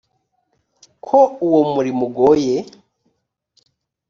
ko uwo murimo ugoye